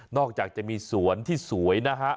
อกจากจะมีสวนที่สวยนะฮะ